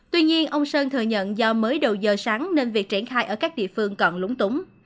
tuy nhiên ông sơn thừa nhận do mới đầu giờ sáng nên việc triển khai ở các địa phương còn lúng túng